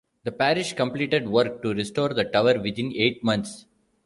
The parish completed work to restore the tower within eight months.